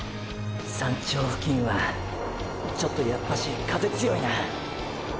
山頂付近はちょっとやっぱし風つよいな。